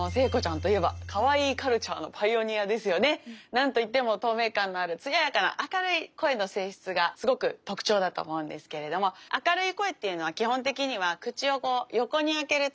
何と言っても透明感のあるつややかな明るい声の性質がすごく特徴だと思うんですけれども明るい声っていうのは基本的には口をこう横に開けると明るくなります。